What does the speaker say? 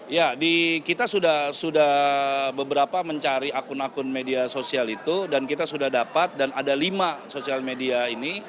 ya kita sudah beberapa mencari akun akun media sosial itu dan kita sudah dapat dan ada lima sosial media ini